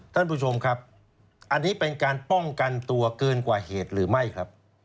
ท่านผู้ชมครับอันนี้เป็นการป้องกันตัวเกินกว่าเหตุหรือไม่ครับ